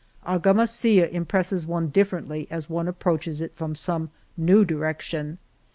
Argamasilla impresses one differently as one approaches it from some new direction.